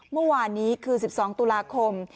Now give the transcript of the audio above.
เมื่อวานนี้คือ๑๒ตุลาคม